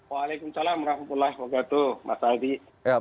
waalaikumsalam rahmatullah waqatuh masyarakat